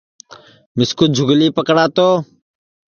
مِسکُو جُھولی پکڑا تو